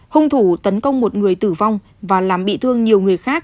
hung thủ tấn công một người tử vong và làm bị thương nhiều người khác